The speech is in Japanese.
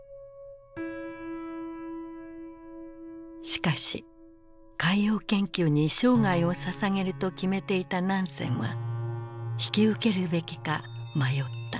しかし海洋研究に生涯をささげると決めていたナンセンは引き受けるべきか迷った。